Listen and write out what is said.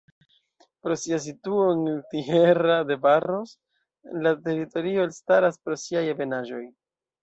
Pro sia situo en Tierra de Barros la teritorio elstaras pro siaj ebenaĵoj.